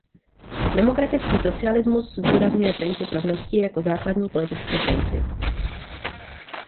Demokratický socialismus zdůrazňuje princip rovnosti jako základní politický princip.